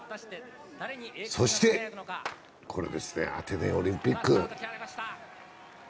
そしてこれですね、アテネオリンピック。